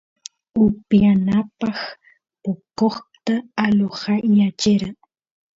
upiyanapaq poqosta alojayachera